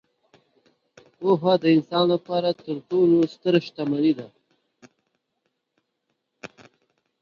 پوهه د انسان لپاره تر ټولو ستره شتمني ده.